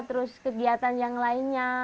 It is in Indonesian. terus kegiatan yang lainnya